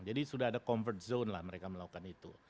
jadi sudah ada convert zone lah mereka melakukan itu